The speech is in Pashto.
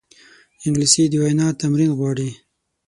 انګلیسي د وینا تمرین غواړي